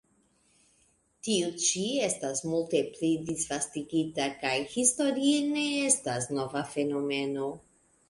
Tiu ĉi estas multe pli disvastigita kaj historie ne nova fenomeno.